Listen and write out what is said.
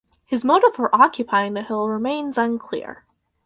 His motive for occupying the hill remains unclear.